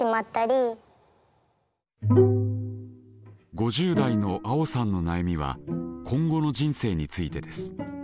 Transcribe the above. ５０代のあおさんの悩みは今後の人生についてです。